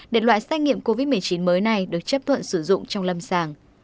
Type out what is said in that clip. để loại xét nghiệm covid một mươi chín mới này được chấp thuận sử dụng trong lâm sàng